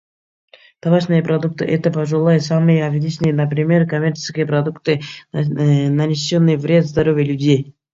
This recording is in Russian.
Табачная продукция — это, пожалуй, самый очевидный пример коммерческой продукции, наносящей вред здоровью людей.